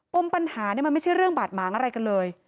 มปัญหาเนี่ยมันไม่ใช่เรื่องบาดหมางอะไรกันเลย